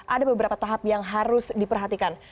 ada beberapa tahap yang harus diperhatikan